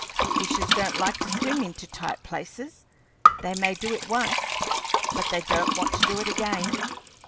Fishes don't like to swim into tight places. They may do it once, but they don't want to do it again.